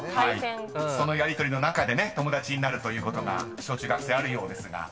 ［そのやりとりの中でね友達になるということが小中学生あるようですが］